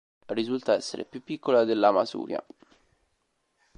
Risulta essere più piccola della Masuria.